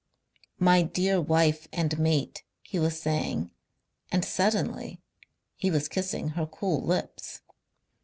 "My dear wife and mate," he was saying, and suddenly he was kissing her cool lips.